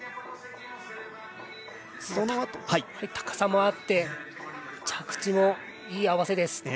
高さもあって着地もいい合わせです。